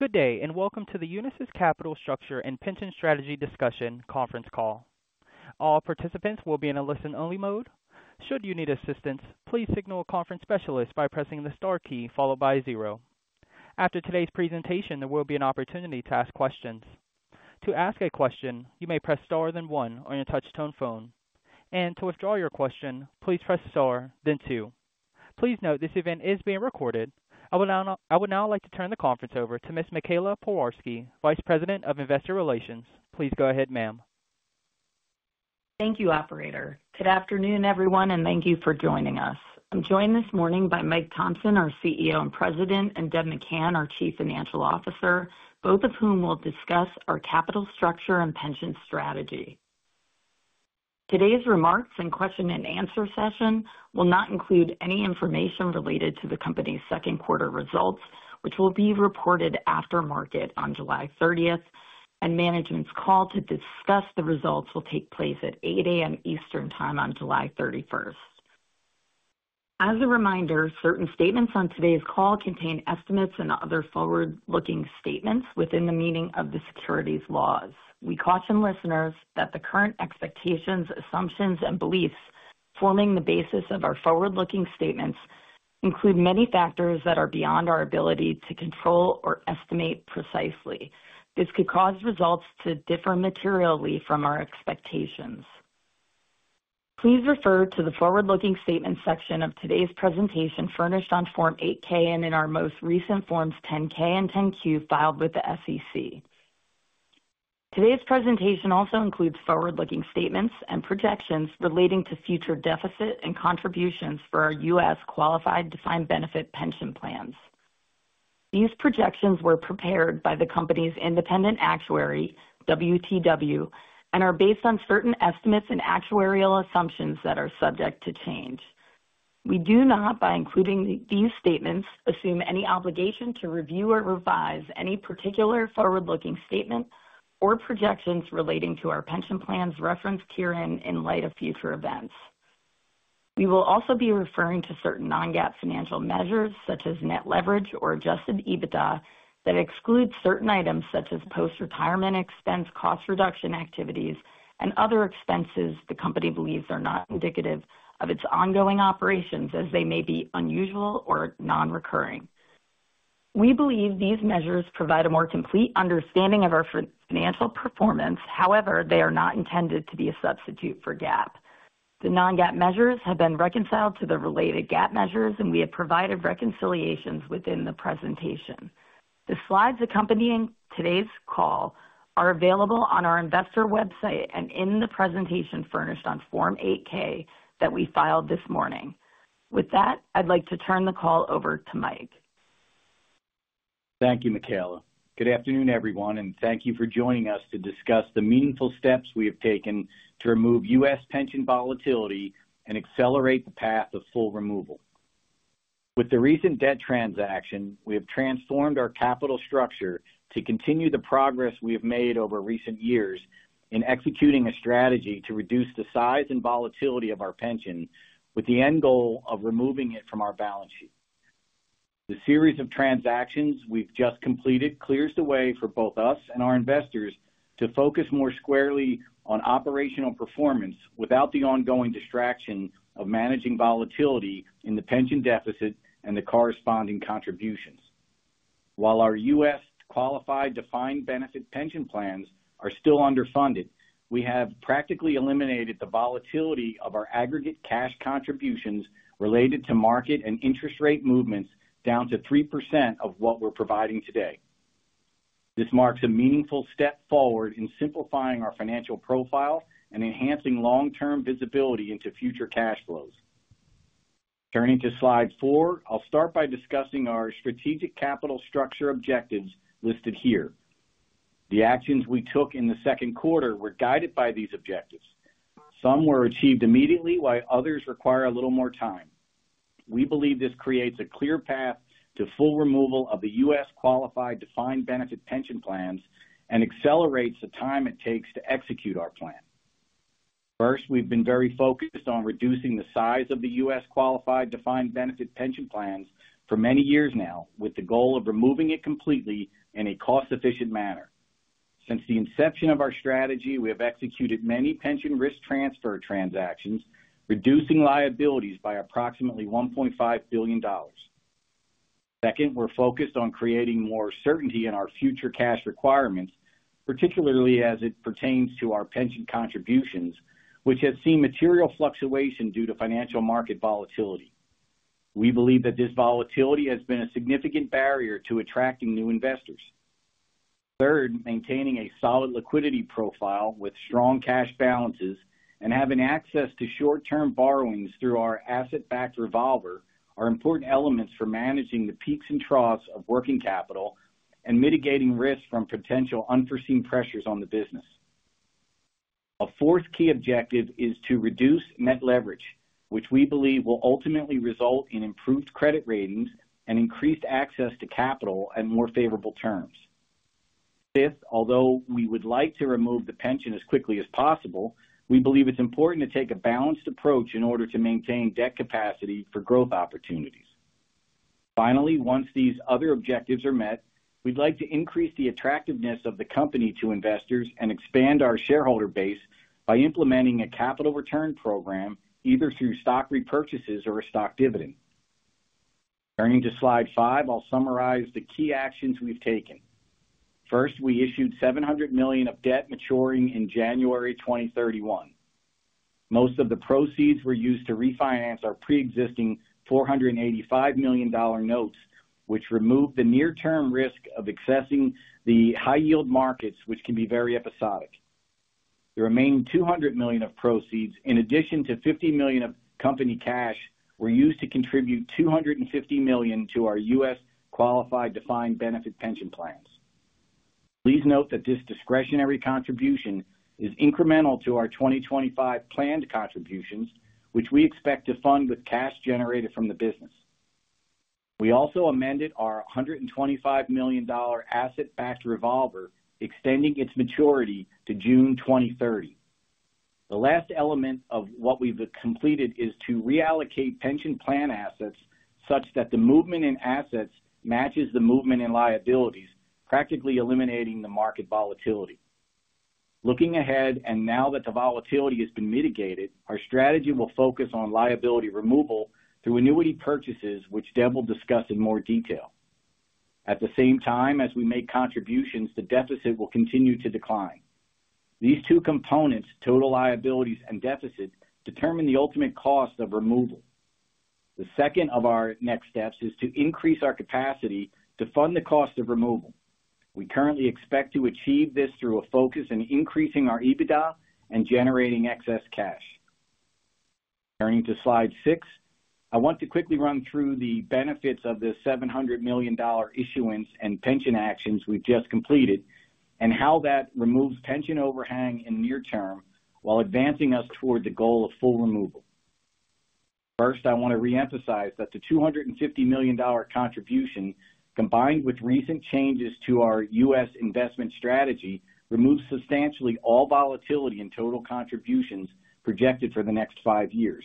Good day and welcome to the Unisys Capital Structure and Pension Strategy Discussion Conference Call. All participants will be in a listen-only mode. Should you need assistance, please signal a conference specialist by pressing the star key followed by zero. After today's presentation, there will be an opportunity to ask questions. To ask a question, you may press star then one on your touch-tone phone, and to withdraw your question, please press star then two. Please note this event is being recorded. I would now like to turn the conference over to Ms. Michaela Pewarski, Vice President of Investor Relations. Please go ahead, ma'am. Thank you, operator. Good afternoon, everyone, and thank you for joining us. I'm joined this morning by Mike Thomson, our CEO and President, and Debra McCann, our Chief Financial Officer, both of whom will discuss our capital structure and pension strategy. Today's remarks and question and answer session will not include any information related to the company's second quarter results, which will be reported after market on July 30th, and management's call to discuss the results will take place at 8:00 A.M. Eastern Time on July 31st. As a reminder, certain statements on today's call contain estimates and other forward-looking statements within the meaning of the securities laws. We caution listeners that the current expectations, assumptions, and beliefs forming the basis of our forward-looking statements include many factors that are beyond our ability to control or estimate precisely. This could cause results to differ materially from our expectations. Please refer to the forward-looking statements section of today's presentation furnished on Form 8-K and in our most recent Forms 10-K and 10-Q filed with the SEC. Today's presentation also includes forward-looking statements and projections relating to future deficit and contributions for our U.S. Qualified Defined Benefit pension plans. These projections were prepared by the company's independent actuary, WTW, and are based on certain estimates and actuarial assumptions that are subject to change. We do not, by including these statements, assume any obligation to review or revise any particular forward-looking statement or projections relating to our pension plans referenced herein in light of future events. We will also be referring to certain non-GAAP financial measures, such as net leverage or adjusted EBITDA, that exclude certain items such as post-retirement expense, cost reduction activities, and other expenses the company believes are not indicative of its ongoing operations, as they may be unusual or non-recurring. We believe these measures provide a more complete understanding of our financial performance, however, they are not intended to be a substitute for GAAP. The non-GAAP measures have been reconciled to the related GAAP measures, and we have provided reconciliations within the presentation. The slides accompanying today's call are available on our investor website and in the presentation furnished on Form 8-K that we filed this morning. With that, I'd like to turn the call over to Mike. Thank you, Michaela. Good afternoon, everyone, and thank you for joining us to discuss the meaningful steps we have taken to remove U.S. pension volatility and accelerate the path of full removal. With the recent debt transaction, we have transformed our capital structure to continue the progress we have made over recent years in executing a strategy to reduce the size and volatility of our pension with the end goal of removing it from our balance sheet. The series of transactions we've just completed clears the way for both us and our investors to focus more squarely on operational performance without the ongoing distraction of managing volatility in the pension deficit and the corresponding contributions. While our U.S. Qualified Defined Benefit pension plans are still underfunded, we have practically eliminated the volatility of our aggregate cash contributions related to market and interest rate movements down to 3% of what we're providing today. This marks a meaningful step forward in simplifying our financial profile and enhancing long-term visibility into future cash flows. Turning to slide four, I'll start by discussing our strategic capital structure objectives listed here. The actions we took in the second quarter were guided by these objectives. Some were achieved immediately, while others require a little more time. We believe this creates a clear path to full removal of the U.S. Qualified Defined Benefit pension plans and accelerates the time it takes to execute our plan. First, we've been very focused on reducing the size of the U.S. Qualified Defined Benefit pension plans for many years now, with the goal of removing it completely in a cost-efficient manner. Since the inception of our strategy, we have executed many pension risk transfer transactions, reducing liabilities by approximately $1.5 billion. Second, we're focused on creating more certainty in our future cash requirements, particularly as it pertains to our pension contributions, which have seen material fluctuation due to financial market volatility. We believe that this volatility has been a significant barrier to attracting new investors. Third, maintaining a solid liquidity profile with strong cash balances and having access to short-term borrowings through our asset-backed revolver are important elements for managing the peaks and troughs of working capital and mitigating risk from potential unforeseen pressures on the business. A fourth key objective is to reduce net leverage, which we believe will ultimately result in improved credit ratings and increased access to capital at more favorable terms. Fifth, although we would like to remove the pension as quickly as possible, we believe it's important to take a balanced approach in order to maintain debt capacity for growth opportunities. Finally, once these other objectives are met, we'd like to increase the attractiveness of the company to investors and expand our shareholder base by implementing a capital return program, either through stock repurchases or a stock dividend. Turning to slide five, I'll summarize the key actions we've taken. First, we issued $700 million of debt maturing in January 2031. Most of the proceeds were used to refinance our pre-existing $485 million notes, which removed the near-term risk of accessing the high-yield markets, which can be very episodic. The remaining $200 million of proceeds, in addition to $50 million of company cash, were used to contribute $250 million to our U.S. Qualified Defined Benefit pension plans. Please note that this discretionary contribution is incremental to our 2025 planned contributions, which we expect to fund with cash generated from the business. We also amended our $125 million asset-backed revolver, extending its maturity to June 2030. The last element of what we've completed is to reallocate pension plan assets such that the movement in assets matches the movement in liabilities, practically eliminating the market volatility. Looking ahead, and now that the volatility has been mitigated, our strategy will focus on liability removal through annuity purchases, which Deb will discuss in more detail. At the same time as we make contributions, the deficit will continue to decline. These two components, total liabilities and deficit, determine the ultimate cost of removal. The second of our next steps is to increase our capacity to fund the cost of removal. We currently expect to achieve this through a focus on increasing our EBITDA and generating excess cash. Turning to slide six, I want to quickly run through the benefits of the $700 million issuance and pension actions we've just completed and how that removes pension overhang in near term while advancing us toward the goal of full removal. First, I want to reemphasize that the $250 million contribution, combined with recent changes to our U.S. Investment strategy removes substantially all volatility in total contributions projected for the next five years.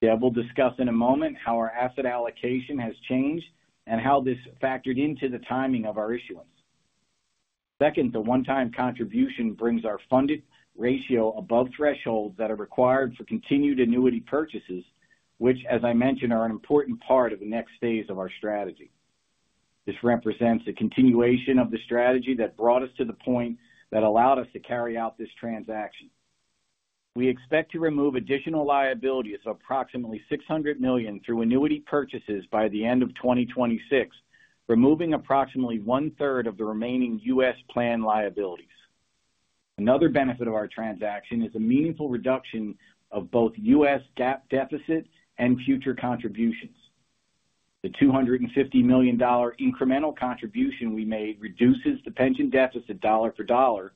Deb will discuss in a moment how our asset allocation has changed and how this factored into the timing of our issuance. Second, the one-time contribution brings our funded ratio above thresholds that are required for continued annuity purchases, which, as I mentioned, are an important part of the next phase of our strategy. This represents a continuation of the strategy that brought us to the point that allowed us to carry out this transaction. We expect to remove additional liabilities of approximately $600 million through annuity purchases by the end of 2026, removing approximately one-third of the remaining U.S. planned liabilities. Another benefit of our transaction is a meaningful reduction of both U.S. GAAP deficit and future contributions. The $250 million incremental contribution we made reduces the pension deficit dollar for dollar,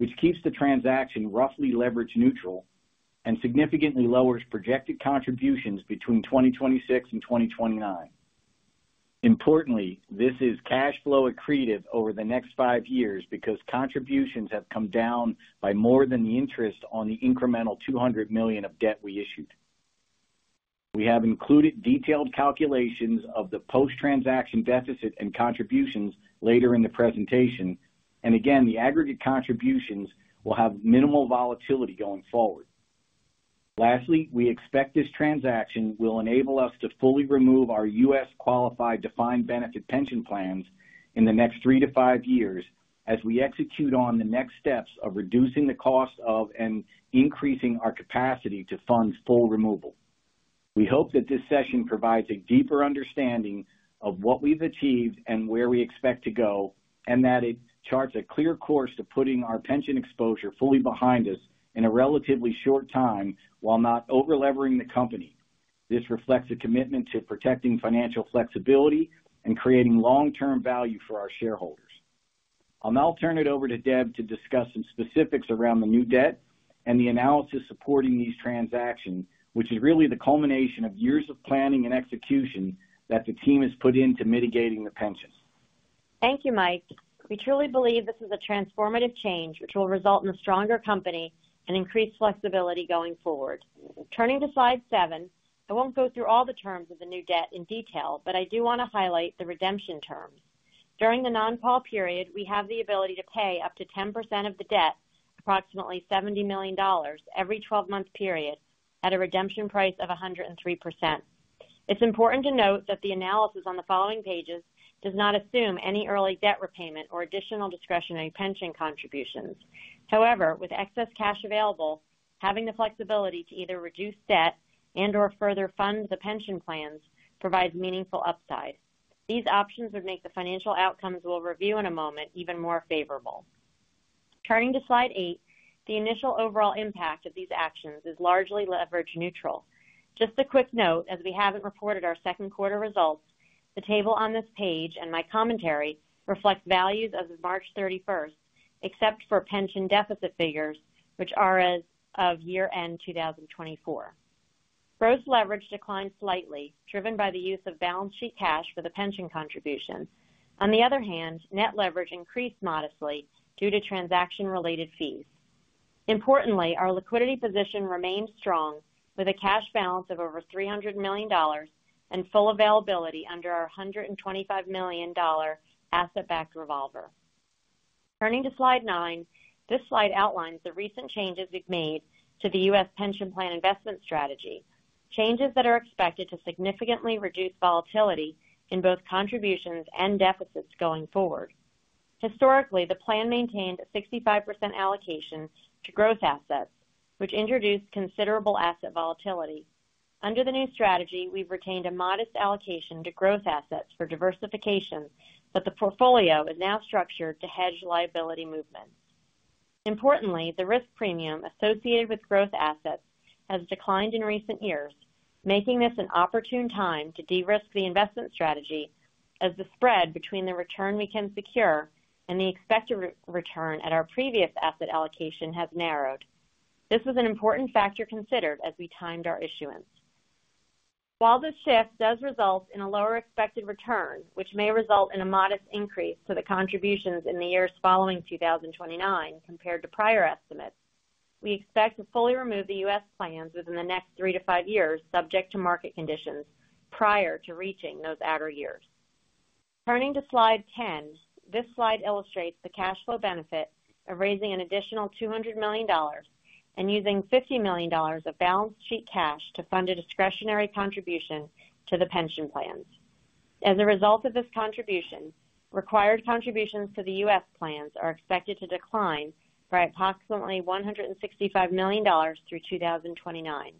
which keeps the transaction roughly leverage-neutral and significantly lowers projected contributions between 2026 and 2029. Importantly, this is cash flow accretive over the next five years because contributions have come down by more than the interest on the incremental $200 million of debt we issued. We have included detailed calculations of the post-transaction deficit and contributions later in the presentation, and again, the aggregate contributions will have minimal volatility going forward. Lastly, we expect this transaction will enable us to fully remove our U.S. Qualified Defined Benefit pension plans in the next three to five years as we execute on the next steps of reducing the cost of and increasing our capacity to fund full removal. We hope that this session provides a deeper understanding of what we've achieved and where we expect to go, and that it charts a clear course to putting our pension exposure fully behind us in a relatively short time while not over-levering the company. This reflects a commitment to protecting financial flexibility and creating long-term value for our shareholders. I'll now turn it over to Deb to discuss some specifics around the new debt and the analysis supporting these transactions, which is really the culmination of years of planning and execution that the team has put into mitigating the pension. Thank you, Mike. We truly believe this is a transformative change which will result in a stronger company and increased flexibility going forward. Turning to slide seven, I won't go through all the terms of the new debt in detail, but I do want to highlight the redemption terms. During the non-PAW period, we have the ability to pay up to 10% of the debt, approximately $70 million, every 12-month period at a redemption price of 103%. It's important to note that the analysis on the following pages does not assume any early debt repayment or additional discretionary pension contributions. However, with excess cash available, having the flexibility to either reduce debt and/or further fund the pension plans provides meaningful upside. These options would make the financial outcomes we'll review in a moment even more favorable. Turning to slide eight, the initial overall impact of these actions is largely leverage neutral. Just a quick note, as we haven't reported our second quarter results, the table on this page and my commentary reflect values as of March 31st, except for pension deficit figures, which are as of year-end 2024. Gross leverage declined slightly, driven by the use of balance sheet cash for the pension contribution. On the other hand, net leverage increased modestly due to transaction-related fees. Importantly, our liquidity position remains strong with a cash balance of over $300 million and full availability under our $125 million asset-backed revolver. Turning to slide nine, this slide outlines the recent changes we've made to the U.S. Pension Plan Investment Strategy, changes that are expected to significantly reduce volatility in both contributions and deficits going forward. Historically, the plan maintained a 65% allocation to growth assets, which introduced considerable asset volatility. Under the new strategy, we've retained a modest allocation to growth assets for diversification, but the portfolio is now structured to hedge liability movements. Importantly, the risk premium associated with growth assets has declined in recent years, making this an opportune time to de-risk the investment strategy, as the spread between the return we can secure and the expected return at our previous asset allocation has narrowed. This was an important factor considered as we timed our issuance. While this shift does result in a lower expected return, which may result in a modest increase to the contributions in the years following 2029 compared to prior estimates, we expect to fully remove the U.S. plans within the next three to five years, subject to market conditions prior to reaching those outer years. Turning to slide ten, this slide illustrates the cash flow benefit of raising an additional $200 million and using $50 million of balance sheet cash to fund a discretionary contribution to the pension plans. As a result of this contribution, required contributions to the U.S. plans are expected to decline by approximately $165 million through 2029.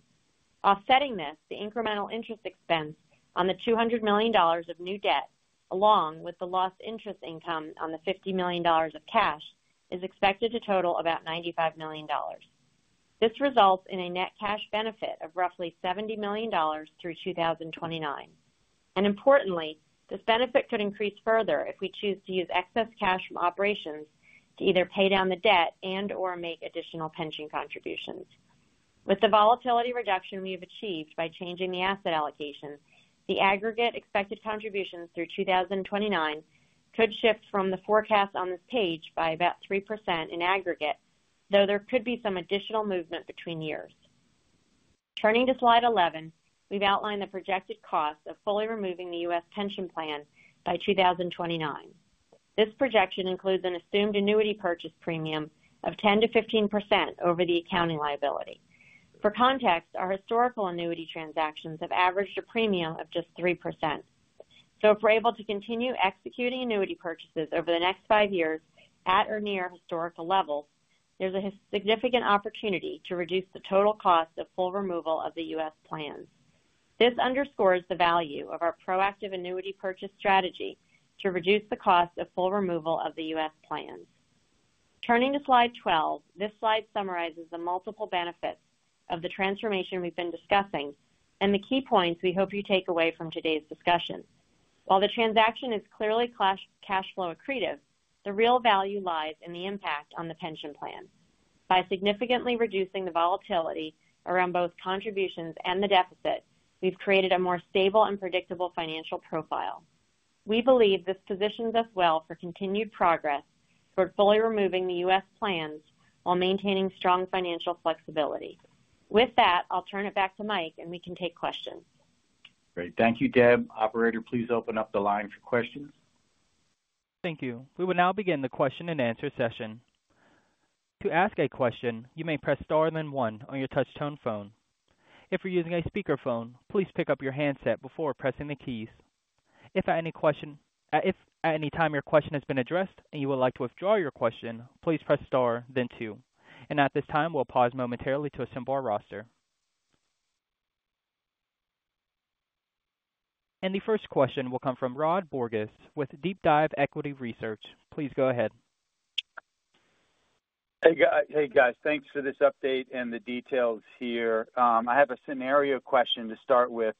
Offsetting this, the incremental interest expense on the $200 million of new debt, along with the lost interest income on the $50 million of cash, is expected to total about $95 million. This results in a net cash benefit of roughly $70 million through 2029. Importantly, this benefit could increase further if we choose to use excess cash from operations to either pay down the debt and/or make additional pension contributions. With the volatility reduction we have achieved by changing the asset allocation, the aggregate expected contributions through 2029 could shift from the forecast on this page by about 3% in aggregate, though there could be some additional movement between years. Turning to slide 11, we've outlined the projected cost of fully removing the U.S. pension plan by 2029. This projection includes an assumed annuity purchase premium of 10% to 15% over the accounting liability. For context, our historical annuity transactions have averaged a premium of just 3%. If we're able to continue executing annuity purchases over the next five years at or near historical levels, there's a significant opportunity to reduce the total cost of full removal of the U.S. plans. This underscores the value of our proactive annuity purchase strategy to reduce the cost of full removal of the U.S. plans. Turning to slide 12, this slide summarizes the multiple benefits of the transformation we've been discussing and the key points we hope you take away from today's discussion. While the transaction is clearly cash flow accretive, the real value lies in the impact on the pension plan. By significantly reducing the volatility around both contributions and the deficit, we've created a more stable and predictable financial profile. We believe this positions us well for continued progress toward fully removing the U.S. plans while maintaining strong financial flexibility. With that, I'll turn it back to Mike, and we can take questions. Great. Thank you, Deb. Operator, please open up the line for questions. Thank you. We will now begin the question and answer session. To ask a question, you may press star then one on your touch-tone phone. If you're using a speakerphone, please pick up your handset before pressing the keys. If at any time your question has been addressed and you would like to withdraw your question, please press star then two. At this time, we'll pause momentarily to assemble our roster. The first question will come from Rod Bourgeois with DeepDive Equity Research. Please go ahead. Hey, guys, thanks for this update and the details here. I have a scenario question to start with.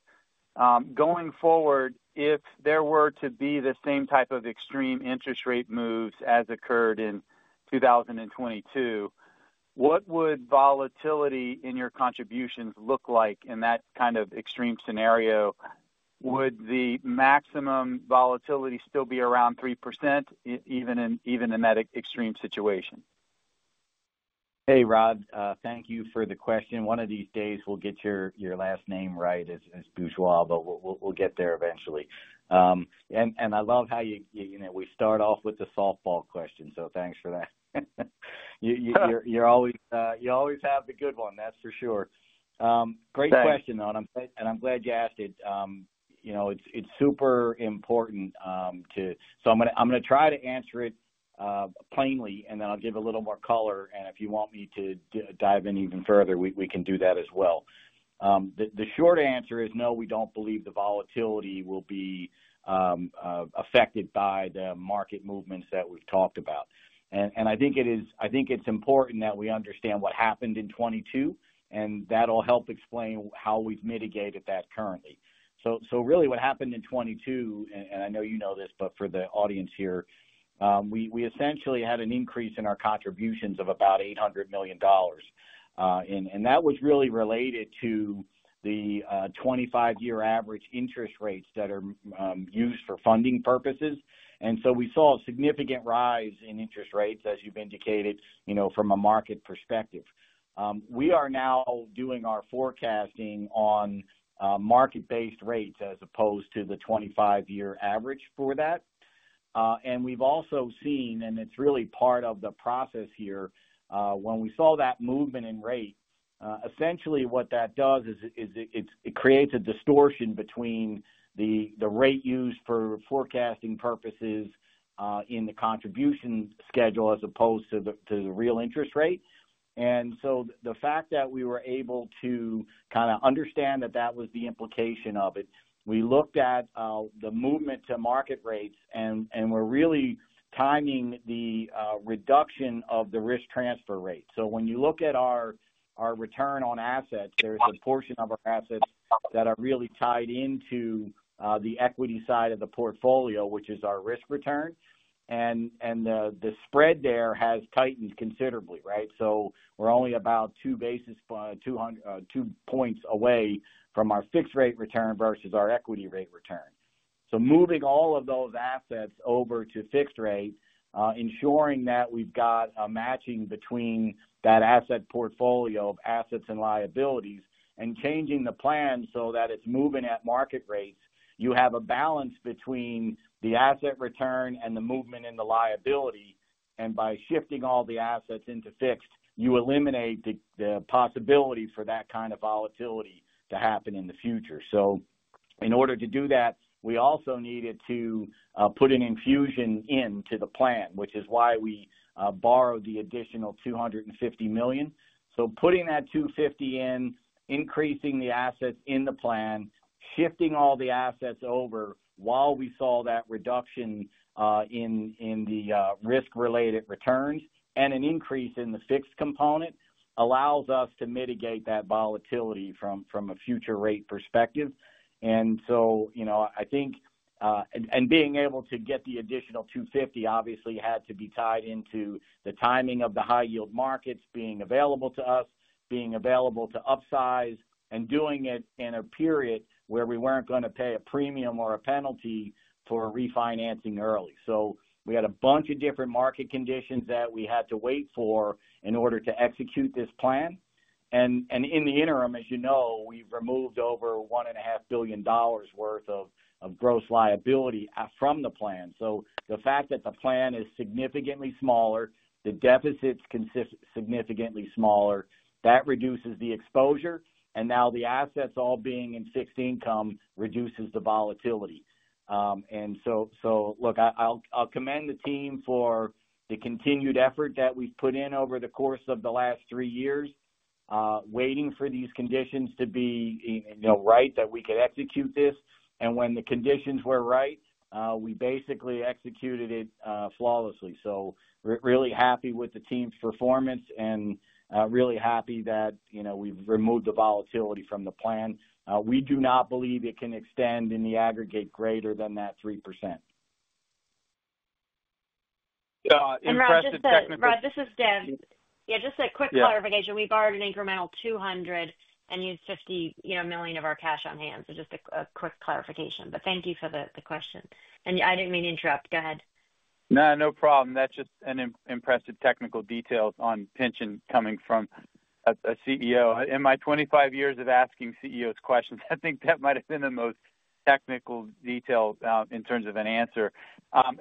Going forward, if there were to be the same type of extreme interest rate moves as occurred in 2022, what would volatility in your contributions look like in that kind of extreme scenario? Would the maximum volatility still be around 3%, even in that extreme situation? Hey, Rod, thank you for the question. One of these days, we'll get your last name right as usual, but we'll get there eventually. I love how you, you know, we start off with the softball question, so thanks for that. You always have the good one, that's for sure. Great question, and I'm glad you asked it. You know, it's super important. I'm going to try to answer it plainly, and then I'll give a little more color. If you want me to dive in even further, we can do that as well. The short answer is no, we don't believe the volatility will be affected by the market movements that we've talked about. I think it's important that we understand what happened in 2022, and that'll help explain how we've mitigated that currently. What happened in 2022, and I know you know this, but for the audience here, we essentially had an increase in our contributions of about $800 million. That was really related to the 25-year average interest rates that are used for funding purposes. We saw a significant rise in interest rates, as you've indicated, from a market perspective. We are now doing our forecasting on market-based rates as opposed to the 25-year average for that. We've also seen, and it's really part of the process here, when we saw that movement in rate, essentially what that does is it creates a distortion between the rate used for forecasting purposes in the contribution schedule as opposed to the real interest rate. The fact that we were able to kind of understand that that was the implication of it, we looked at the movement to market rates and we're really timing the reduction of the risk transfer rate. When you look at our return on assets, there's a portion of our assets that are really tied into the equity side of the portfolio, which is our risk return. The spread there has tightened considerably, right? We're only about two basis points away from our fixed rate return versus our equity rate return. Moving all of those assets over to fixed rate, ensuring that we've got a matching between that asset portfolio of assets and liabilities and changing the plan so that it's moving at market rates, you have a balance between the asset return and the movement in the liability. By shifting all the assets into fixed, you eliminate the possibilities for that kind of volatility to happen in the future. In order to do that, we also needed to put an infusion into the plan, which is why we borrowed the additional $250 million. Putting that $250 million, increasing the assets in the plan, shifting all the assets over while we saw that reduction in the risk-related returns and an increase in the fixed component allows us to mitigate that volatility from a future rate perspective. I think being able to get the additional $250 million obviously had to be tied into the timing of the high-yield markets being available to us, being available to upsize, and doing it in a period where we were not going to pay a premium or a penalty for refinancing early. We had a bunch of different market conditions that we had to wait for in order to execute this plan. In the interim, as you know, we have removed over $1.5 billion worth of gross liability from the plan. The fact that the plan is significantly smaller, the deficit is significantly smaller, that reduces the exposure. Now the assets all being in fixed income reduces the volatility. I will commend the team for the continued effort that we have put in over the course of the last three years, waiting for these conditions to be right that we could execute this. When the conditions were right, we basically executed it flawlessly. We are really happy with the team's performance and really happy that we have removed the volatility from the plan. We do not believe it can extend in the aggregate greater than that 3%. Yeah, impressive technical. Rod, this is Deb. Just a quick clarification. We borrowed an incremental $200 million and used $50 million of our cash on hand. Just a quick clarification, thank you for the question. I didn't mean to interrupt. Go ahead. No problem. That's just an impressive technical detail on pension coming from a CEO. In my 25 years of asking CEOs questions, I think that might have been the most technical detail in terms of an answer. On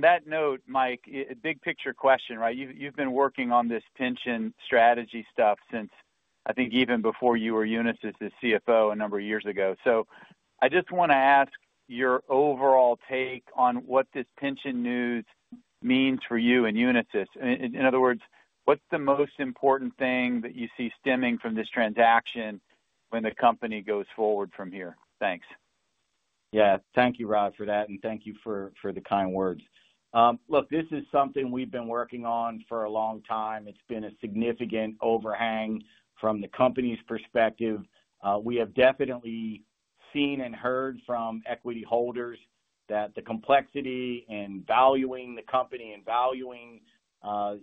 that note, Mike, a big picture question, right? You've been working on this pension strategy stuff since, I think, even before you were Unisys' CFO a number of years ago. I just want to ask your overall take on what this pension news means for you and Unisys. In other words, what's the most important thing that you see stemming from this transaction when the company goes forward from here? Thanks. Yeah, thank you, Rod, for that. And thank you for the kind words. Look, this is something we've been working on for a long time. It's been a significant overhang from the company's perspective. We have definitely seen and heard from equity holders that the complexity in valuing the company and valuing,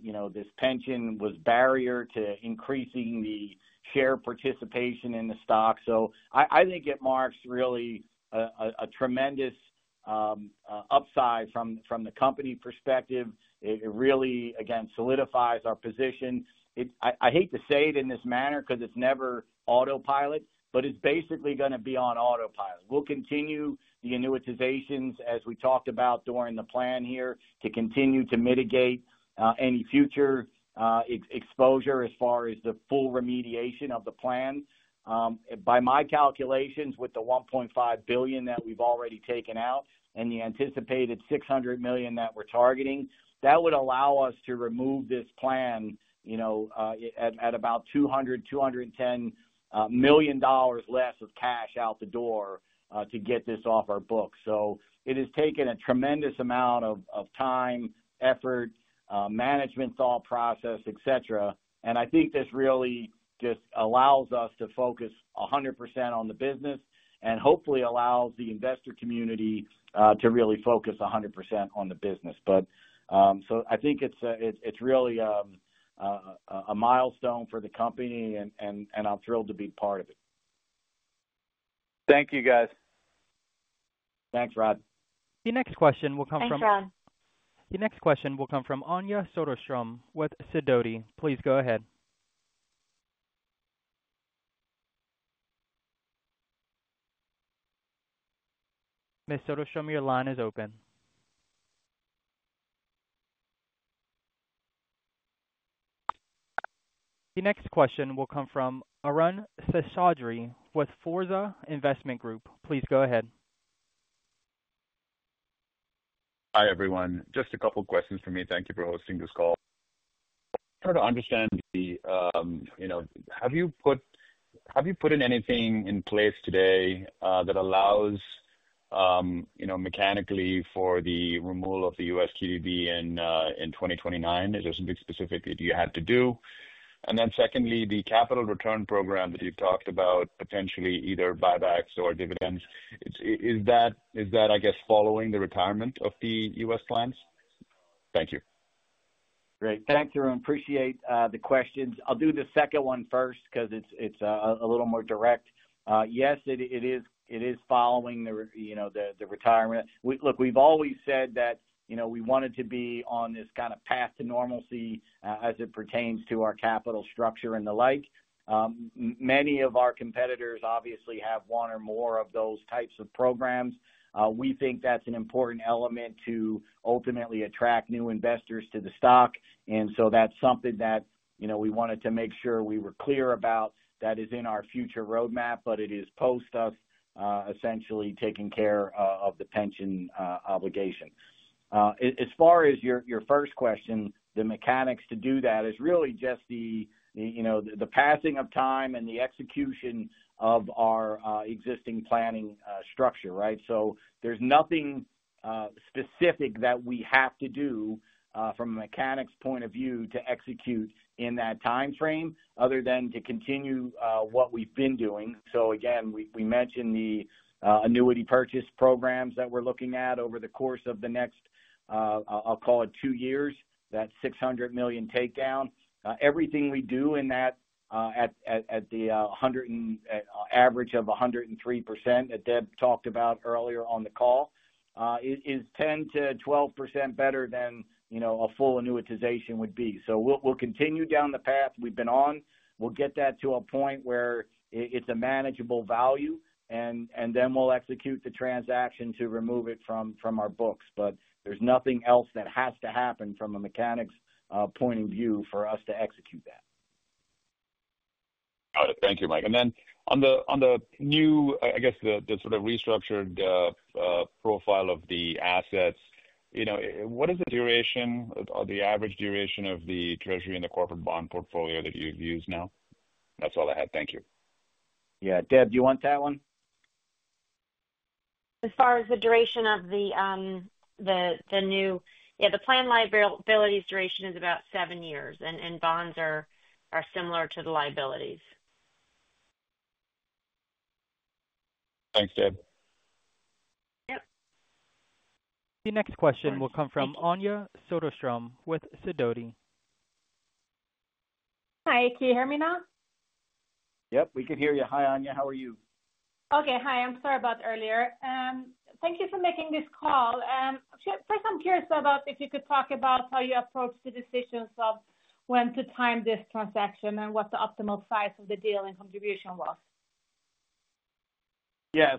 you know, this pension was a barrier to increasing the share participation in the stock. I think it marks really a tremendous upside from the company perspective. It really, again, solidifies our position. I hate to say it in this manner because it's never autopilot, but it's basically going to be on autopilot. We'll continue the annuitizations, as we talked about during the plan here, to continue to mitigate any future exposure as far as the full remediation of the plan. By my calculations, with the $1.5 billion that we've already taken out and the anticipated $600 million that we're targeting, that would allow us to remove this plan at about $200 million, $210 million less of cash out the door to get this off our books. It has taken a tremendous amount of time, effort, management thought process, et cetera. I think this really just allows us to focus 100% on the business and hopefully allows the investor community to really focus 100% on the business. I think it's really a milestone for the company, and I'm thrilled to be part of it. Thank you, guys. Thanks, Rod. The next question will come from. Thanks, Rod. The next question will come from Anja Soderstrom with Sidoti & Company. Please go ahead. Ms. Soderstrom, your line is open. The next question will come from Arun Seshadri with Forza Investment Group. Please go ahead. Hi, everyone. Just a couple of questions for me. Thank you for hosting this call. Trying to understand, have you put in anything in place today that allows, mechanically, for the removal of the U.S. Qualified Defined Benefit in 2029? Is there something specific that you had to do? The capital return program that you've talked about, potentially either buybacks or dividends, is that, I guess, following the retirement of the U.S. clients? Thank you. Great. Thanks, Arun. Appreciate the questions. I'll do the second one first because it's a little more direct. Yes, it is following the retirement. Look, we've always said that we wanted to be on this kind of path to normalcy as it pertains to our capital structure and the like. Many of our competitors obviously have one or more of those types of programs. We think that's an important element to ultimately attract new investors to the stock. That's something that we wanted to make sure we were clear about that is in our future roadmap, but it is post us essentially taking care of the pension obligation. As far as your first question, the mechanics to do that is really just the passing of time and the execution of our existing planning structure, right? There's nothing specific that we have to do from a mechanics point of view to execute in that timeframe other than to continue what we've been doing. We mentioned the annuity purchase programs that we're looking at over the course of the next, I'll call it two years, that $600 million takedown. Everything we do in that, at the average of 103% that Debra McCann talked about earlier on the call, is 10% to 12% better than a full annuitization would be. We'll continue down the path we've been on. We'll get that to a point where it's a manageable value, and then we'll execute the transaction to remove it from our books. There's nothing else that has to happen from a mechanics point of view for us to execute that. Got it. Thank you, Mike. On the new, I guess, the sort of restructured profile of the assets, what is the duration or the average duration of the treasury and the corporate bond portfolio that you've used now? That's all I had. Thank you. Yeah, Debra, do you want that one? As far as the duration of the new, yeah, the planned liabilities duration is about seven years, and bonds are similar to the liabilities. Thanks, Deb. Yep. The next question will come from Anja Soderstrom with Sidoti & Company. Hi, can you hear me now? Yep, we can hear you. Hi, Anja Soderstrom. How are you? Okay, hi. I'm sorry about earlier. Thank you for making this call. First, I'm curious if you could talk about how you approached the decisions of when to time this transaction and what the optimal size of the deal and contribution was. Yeah,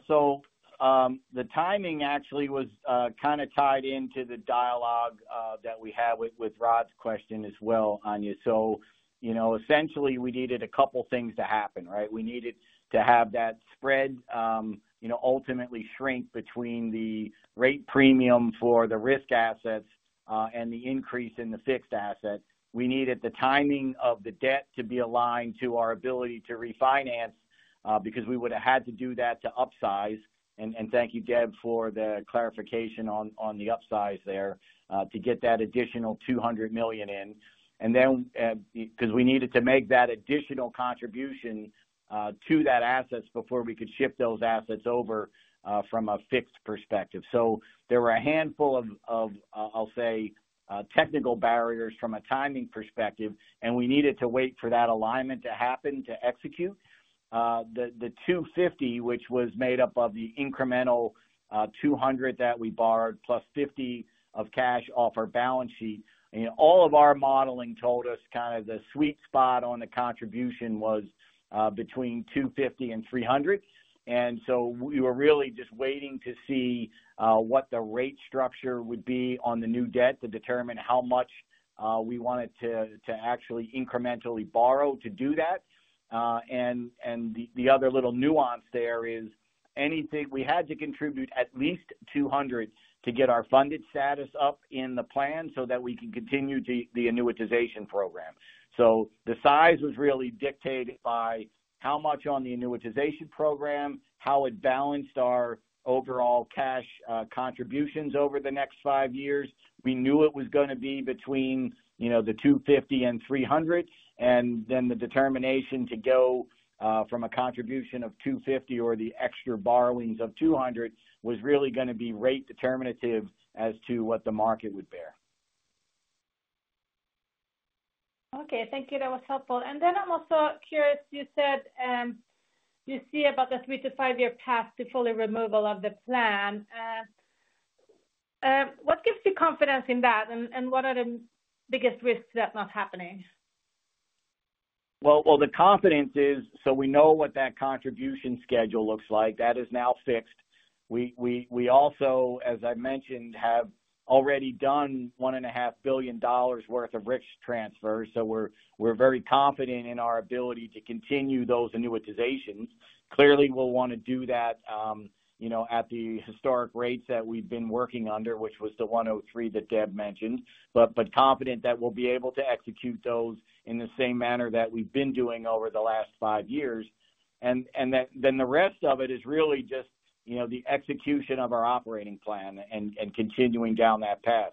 the timing actually was kind of tied into the dialogue that we had with Rod's question as well, Anja. Essentially, we needed a couple of things to happen, right? We needed to have that spread ultimately shrink between the rate premium for the risk assets and the increase in the fixed asset. We needed the timing of the debt to be aligned to our ability to refinance because we would have had to do that to upsize. Thank you, Deb, for the clarification on the upsize there to get that additional $200 million in. We needed to make that additional contribution to that asset before we could shift those assets over from a fixed perspective. There were a handful of, I'll say, technical barriers from a timing perspective, and we needed to wait for that alignment to happen to execute. The $250 million, which was made up of the incremental $200 million that we borrowed plus $50 million of cash off our balance sheet, all of our modeling told us the sweet spot on the contribution was between $250 million and $300 million. We were really just waiting to see what the rate structure would be on the new debt to determine how much we wanted to actually incrementally borrow to do that. The other little nuance there is we had to contribute at least $200 million to get our funded status up in the plan so that we can continue the annuitization program. The size was really dictated by how much on the annuitization program, how it balanced our overall cash contributions over the next five years. We knew it was going to be between the $250 million and $300 million. The determination to go from a contribution of $250 million or the extra borrowings of $200 million was really going to be rate determinative as to what the market would bear. Okay, thank you. That was helpful. I'm also curious, you said you see about a three to five-year path to fully removal of the plan. What gives you confidence in that, and what are the biggest risks to that not happening? The confidence is, we know what that contribution schedule looks like. That is now fixed. We also, as I mentioned, have already done $1.5 billion worth of risk transfers. We are very confident in our ability to continue those annuitizations. Clearly, we will want to do that at the historic rates that we've been working under, which was the $103 million that Debra McCann mentioned, but confident that we'll be able to execute those in the same manner that we've been doing over the last five years. The rest of it is really just the execution of our operating plan and continuing down that path.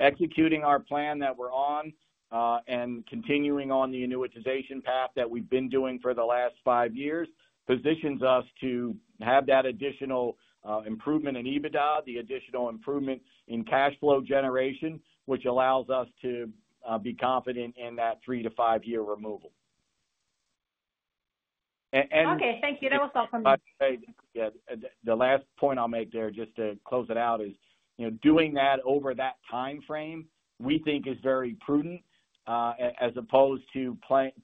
Executing our plan that we're on and continuing on the annuitization path that we've been doing for the last five years positions us to have that additional improvement in EBITDA, the additional improvement in cash flow generation, which allows us to be confident in that three to five-year removal. Okay, thank you. That was helpful. Yeah, the last point I'll make there just to close it out is, you know, doing that over that timeframe, we think is very prudent as opposed to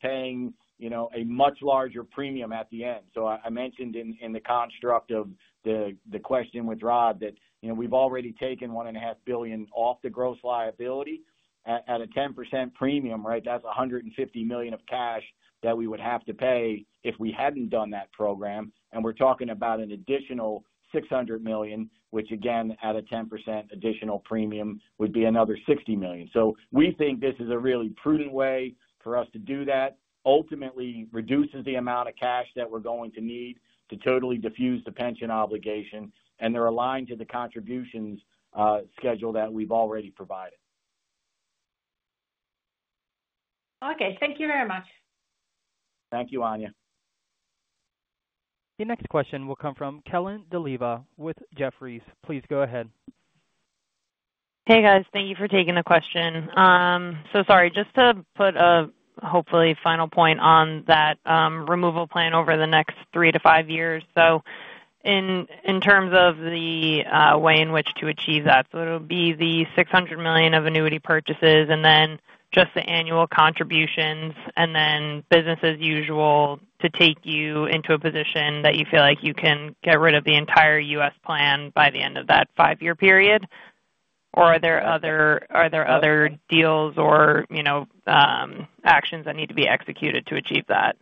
paying, you know, a much larger premium at the end. I mentioned in the construct of the question with Rod that, you know, we've already taken $1.5 billion off the gross liability at a 10% premium, right? That's $150 million of cash that we would have to pay if we hadn't done that program. We're talking about an additional $600 million, which again, at a 10% additional premium, would be another $60 million. We think this is a really prudent way for us to do that. Ultimately, it reduces the amount of cash that we're going to need to totally defuse the pension obligation, and they're aligned to the contributions schedule that we've already provided. Okay, thank you very much. Thank you, Anja. The next question will come from Kellen DeLiva with Jefferies. Please go ahead. Thank you for taking the question. Just to put a hopefully final point on that removal plan over the next three to five years, in terms of the way in which to achieve that, it'll be the $600 million of annuity purchases and then just the annual contributions, and then business as usual to take you into a position that you feel like you can get rid of the entire U.S. plan by the end of that five-year period. Are there other deals or actions that need to be executed to achieve that?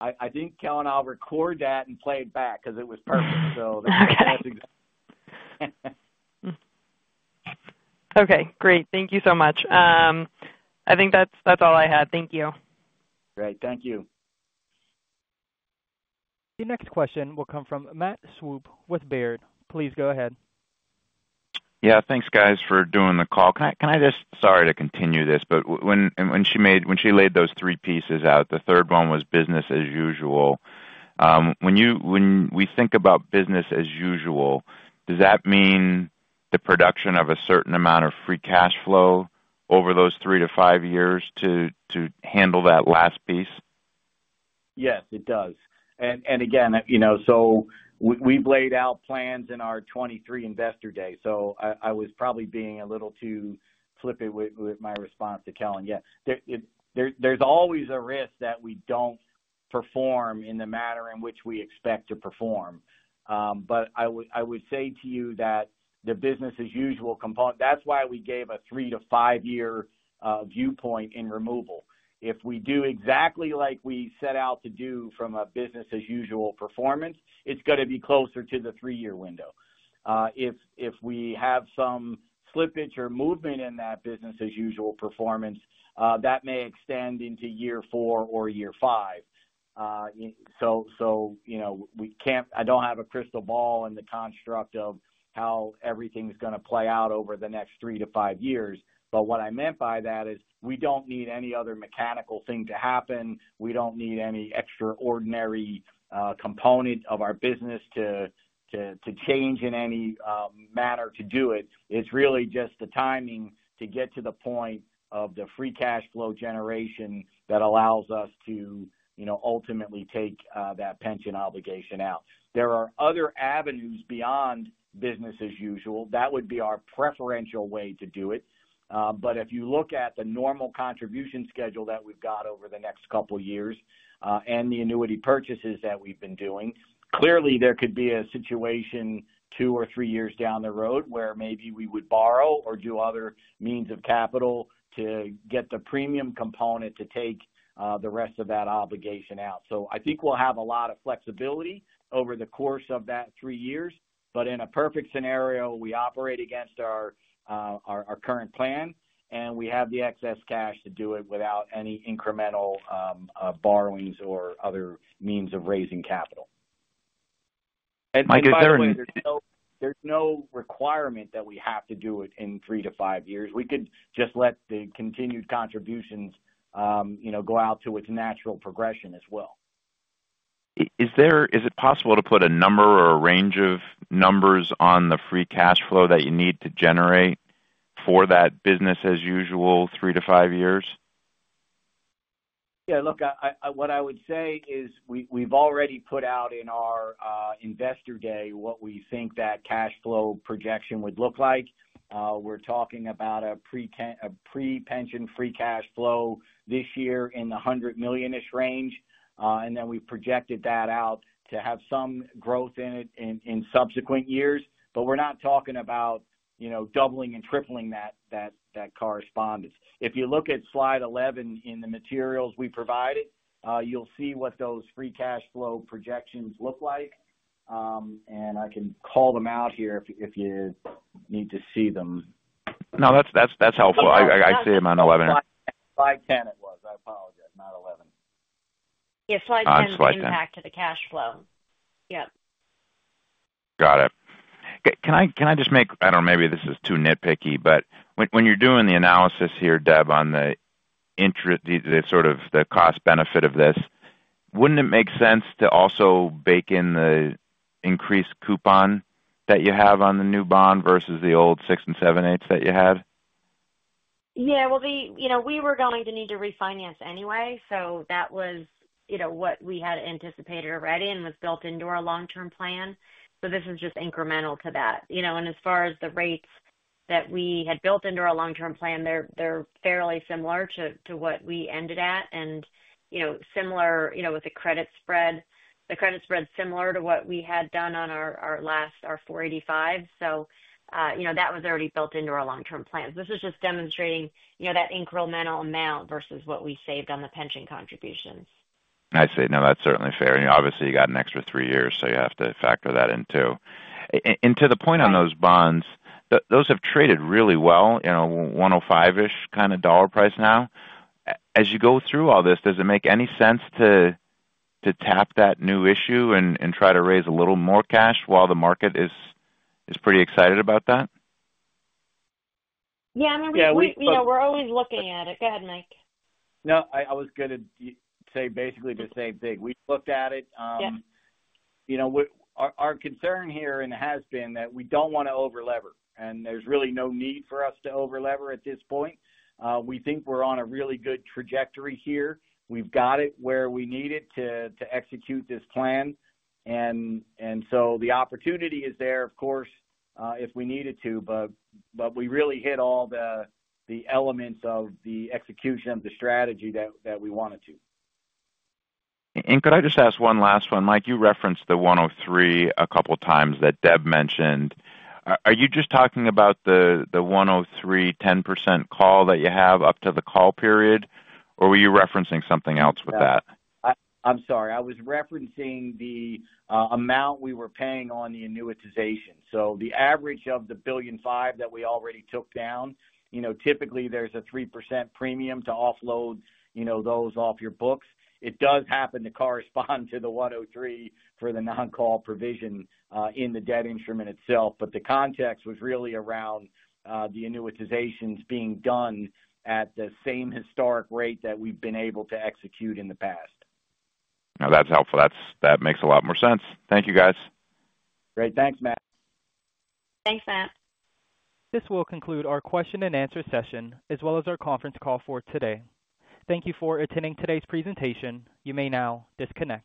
I think, Kellen, I'll record that and play it back because it was perfect. That's exactly. Okay, great. Thank you so much. I think that's all I had. Thank you. Great, thank you. The next question will come from Matthew Swope with Baird. Please go ahead. Yeah, thanks, guys, for doing the call. Can I just, sorry to continue this, but when she made, when she laid those three pieces out, the third one was business as usual. When we think about business as usual, does that mean the production of a certain amount of free cash flow over those three to five years to handle that last piece? Yes, it does. Again, we've laid out plans in our 2023 Investor Day. I was probably being a little too flippant with my response to Kellen. There's always a risk that we don't perform in the manner in which we expect to perform. I would say to you that the business as usual component, that's why we gave a three to five-year viewpoint in removal. If we do exactly like we set out to do from a business as usual performance, it's going to be closer to the three-year window. If we have some slippage or movement in that business as usual performance, that may extend into year four or year five. I don't have a crystal ball in the construct of how everything's going to play out over the next three to five years. What I meant by that is we don't need any other mechanical thing to happen. We don't need any extraordinary component of our business to change in any manner to do it. It's really just the timing to get to the point of the free cash flow generation that allows us to ultimately take that pension obligation out. There are other avenues beyond business as usual. That would be our preferential way to do it. If you look at the normal contribution schedule that we've got over the next couple of years and the annuity purchases that we've been doing, clearly there could be a situation two or three years down the road where maybe we would borrow or do other means of capital to get the premium component to take the rest of that obligation out. I think we'll have a lot of flexibility over the course of that three years. But in a perfect scenario, we operate against our current plan and we have the excess cash to do it without any incremental borrowings or other means of raising capital. Certainly, there's no requirement that we have to do it in three to five years. We could just let the continued contributions go out to its natural progression as well. Is it possible to put a number or a range of numbers on the free cash flow that you need to generate for that business as usual three to five years? Yeah, look, what I would say is we've already put out in our Investor Day what we think that cash flow projection would look like. We're talking about a pre-pension free cash flow this year in the $100 million-ish range. We've projected that out to have some growth in it in subsequent years. We're not talking about doubling and tripling that correspondence. If you look at slide 11 in the materials we provided, you'll see what those free cash flow projections look like. I can call them out here if you need to see them. No, that's helpful. I see them on 11. Slide 10 it was. I apologize, not 11. Yeah, slide 10 is the impact to the cash flow. Got it. Maybe this is too nitpicky, but when you're doing the analysis here, Deb, on the interest, the sort of the cost-benefit of this, wouldn't it make sense to also bake in the increased coupon that you have on the new bond versus the old 6.875% that you had? Yeah, you know, we were going to need to refinance anyway. That was what we had anticipated already and was built into our long-term plan. This was just incremental to that. As far as the rates that we had built into our long-term plan, they're fairly similar to what we ended at. Similar with the credit spread, the credit spread's similar to what we had done on our last, our $485 million. That was already built into our long-term plans. This is just demonstrating that incremental amount versus what we saved on the pension contribution. I see. No, that's certainly fair. Obviously, you got an extra three years, so you have to factor that in too. To the point on those bonds, those have traded really well, you know, $105-ish kind of dollar price now. As you go through all this, does it make any sense to tap that new issue and try to raise a little more cash while the market is pretty excited about that? Yeah, I mean, we're always looking at it. Go ahead, Mike. Yeah, I was going to say basically the same thing. We've looked at it. Our concern here, and it has been, is that we don't want to over-lever. There's really no need for us to over-lever at this point. We think we're on a really good trajectory here. We've got it where we need it to execute this plan. The opportunity is there, of course, if we needed to, but we really hit all the elements of the execution of the strategy that we wanted to. Could I just ask one last one? Mike, you referenced the $103 million a couple of times that Deb mentioned. Are you just talking about the $103 million 10% call that you have up to the call period, or were you referencing something else with that? I'm sorry. I was referencing the amount we were paying on the annuitization. The average of the $1.5 billion that we already took down, typically there's a 3% premium to offload those off your books. It does happen to correspond to the $103 million for the non-call provision in the debt instrument itself. The context was really around the annuitizations being done at the same historic rate that we've been able to execute in the past. No, that's helpful. That makes a lot more sense. Thank you, guys. Great. Thanks, Matt. Thanks, Matt. This will conclude our question and answer session, as well as our conference call for today. Thank you for attending today's presentation. You may now disconnect.